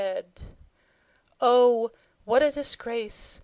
"Oh, what a disgrace!